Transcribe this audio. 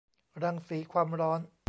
รังสีความร้อน